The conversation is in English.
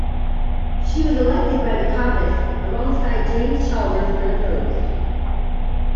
She was elected by the caucus alongside Jim Chalmers unopposed.